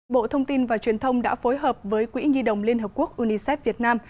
bộ thông tin và truyền thông đã phối hợp với quỹ nhi đồng liên hợp quốc unicef việt nam